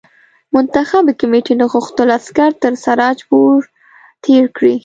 منتخبي کمېټې نه غوښتل عسکر تر سراج پور تېر کړي.